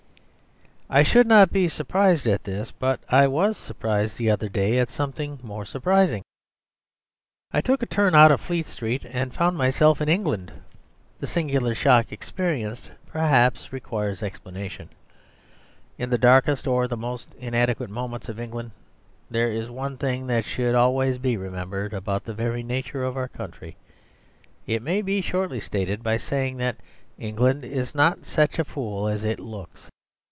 I should not be surprised at this; but I was surprised the other day at something more surprising. I took a turn out of Fleet Street and found myself in England. ..... The singular shock experienced perhaps requires explanation. In the darkest or the most inadequate moments of England there is one thing that should always be remembered about the very nature of our country. It may be shortly stated by saying that England is not such a fool as it looks.